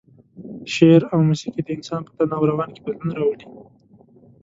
شعر او موسيقي د انسان په تن او روان کې بدلون راولي.